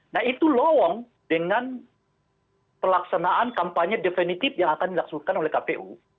nah itu lowong dengan pelaksanaan kampanye definitif yang akan dilaksanakan oleh kpu